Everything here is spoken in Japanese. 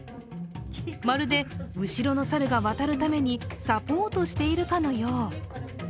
まるで後ろの猿が渡るためにサポートしているかのよう。